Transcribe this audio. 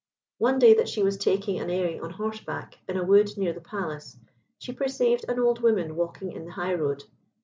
One day that she was taking an airing on horseback in a wood near the Palace, she perceived an old woman walking in the high road.